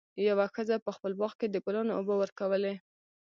یوه ښځه په خپل باغ کې د ګلانو اوبه ورکولې.